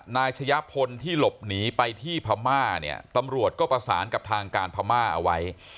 นายชะยะพลที่หลบหนีไปที่พม่าเนี่ยตำรวจก็ประสานกับทางการพม่าเอาไว้